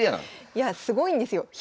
いやすごいんですよ。